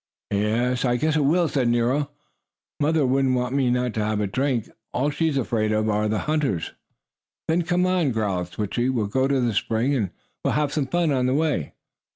"Yes, I guess it will," said Nero. "Mother wouldn't want me not to have a drink. All she's afraid of are the hunters." "Then come on!" growled Switchie. "We'll go to the spring, and we'll have some fun on the way."